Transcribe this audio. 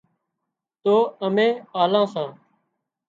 تو امين آلان سان